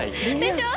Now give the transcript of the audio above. でしょ？